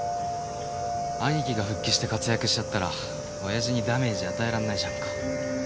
兄貴が復帰して活躍しちゃったら親父にダメージ与えらんないじゃんか。